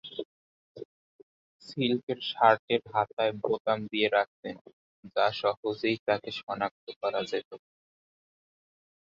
সিল্কের শার্টের হাতায় বোতাম দিয়ে রাখতেন যা সহজেই তাকে শনাক্ত করা যেতো।